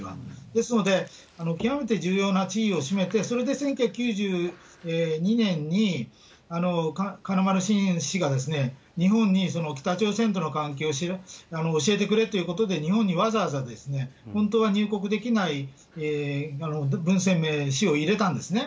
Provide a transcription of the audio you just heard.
ですので、極めて重要な地位を占めて、それで１９９２年に、金丸信氏が日本に北朝鮮との関係を教えてくれということで、日本にわざわざ本当は入国できない文鮮明氏を入れたんですね。